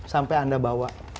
sampai anda bawa